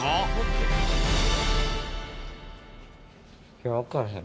いや分からへん